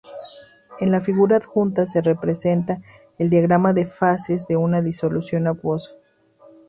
En la figura adjunta se representa el diagrama de fases de una disolución acuosa.